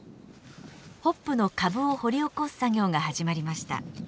ホップの株を掘り起こす作業が始まりました。